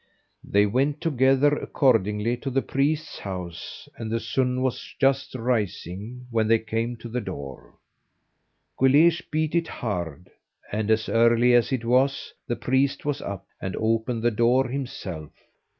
They went together accordingly to the priest's house, and the sun was just rising when they came to the door. Guleesh beat it hard, and as early as it was the priest was up, and opened the door himself.